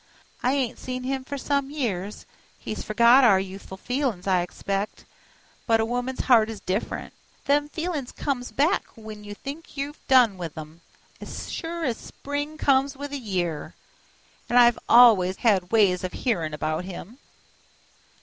I ain't seen him for some years; he's forgot our youthful feelin's, I expect, but a woman's heart is different; them feelin's comes back when you think you've done with 'em, as sure as spring comes with the year. An' I've always had ways of hearin' about him."